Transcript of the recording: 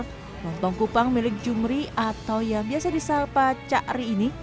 menurut mini diatas motor lontong kupang milik jumri atau yang biasa disapa ca'ri ini